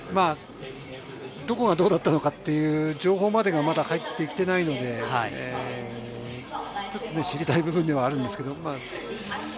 どこがどうだったのかっていう情報までは入ってきていないので、ちょっと知りたい部分ではあるんですけど。